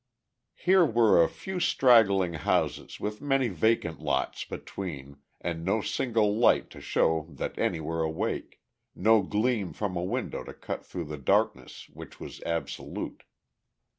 Here were a few straggling houses with many vacant lots between and no single light to show that any were awake, no gleam from a window to cut through the darkness which was absolute.